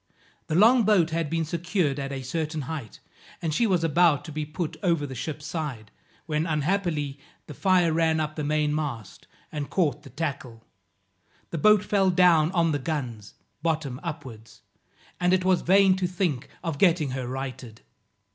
The long boat had been secured at a certain height, and she was about to be put over the ship's side, when, unhappily, the fire ran up the main mast, and caught the tackle; the boat fell down on the guns, bottom upwards, and it was vain to think of getting her righted.